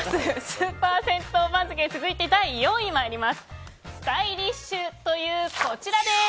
スーパー銭湯番付続いて、第４位に参ります。